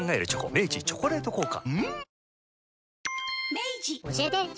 明治「チョコレート効果」